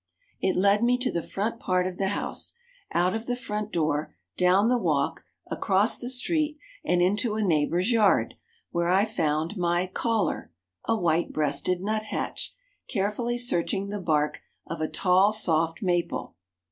It led me to the front part of the house, out of the front door, down the walk, across the street, and into a neighbor's yard where I found my "caller," a white breasted nut hatch, carefully searching the bark of a tall soft maple.